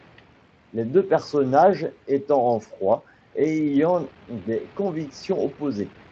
Les deux personnages étant en froid et ayant des convictions opposées.